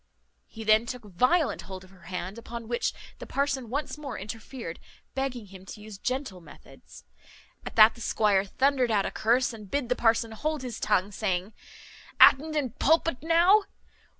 He then took violent hold of her hand; upon which the parson once more interfered, begging him to use gentle methods. At that the squire thundered out a curse, and bid the parson hold his tongue, saying, "At'nt in pulpit now?